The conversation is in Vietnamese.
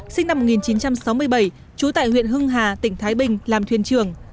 sinh năm một nghìn chín trăm sáu mươi bảy trú tại huyện hưng hà tỉnh thái bình làm thuyền trưởng